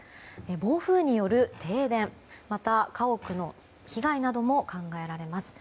暴風による停電また、家屋の被害なども考えられます。